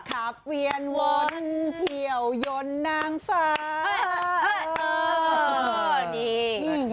ขับเวียนวนเที่ยวยนนางฟ้าเอ่อเอ่อนี่นี่เนี่ย